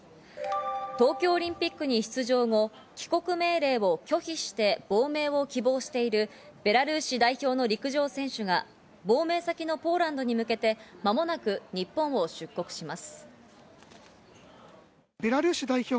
東京オリンピックに出場後、帰国命令を拒否して亡命を希望しているベラルーシ代表の陸上選手が亡命先のポーランドに向けて間もなく日本を出国します。